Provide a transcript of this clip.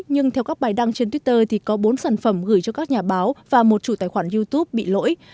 nhưng theo các bài đăng trên twitter thì có bốn sản phẩm gửi cho các nhà báo và một chủ tài khoản youtube bị lỗi